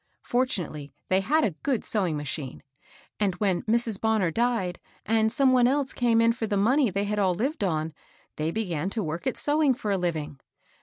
Fortunately they had a good sewing ma chine ; and when Mrs. Bonner died, and some one else came in for the money they had all lived on, they began to work at sewing for a living.